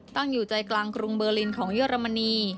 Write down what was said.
ตั้งอยู่ใจกลางกรุงเบอร์ลินของเยอรมนี